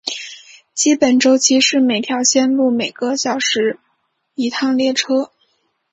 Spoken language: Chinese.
基本周期是每条线路每个小时一趟列车。